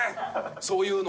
そういうの。